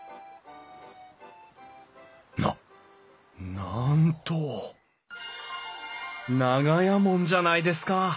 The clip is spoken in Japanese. ななんと長屋門じゃないですか！